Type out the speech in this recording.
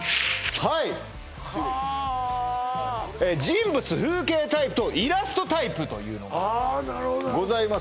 はいはあ人物風景タイプとイラストタイプというのがございます